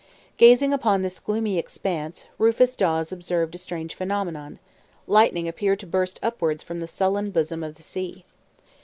Gazing upon this gloomy expanse, Rufus Dawes observed a strange phenomenon lightning appeared to burst upwards from the sullen bosom of the sea.